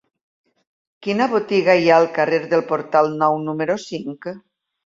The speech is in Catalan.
Quina botiga hi ha al carrer del Portal Nou número cinc?